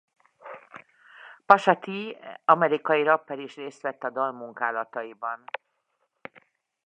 Pusha T amerikai rapper is részt vett a dal munkálataiban.